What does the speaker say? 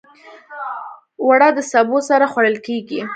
اوړه د سبو سره خوړل کېږي